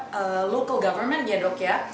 pemerintah lokal ya dok ya